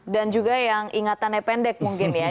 dan juga yang ingatannya pendek mungkin ya